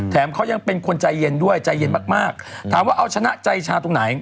แถมเขายังเป็นคนใจเย็นด้วยใจเย็นมากมากถามว่าเอาชนะใจชาตรงไหน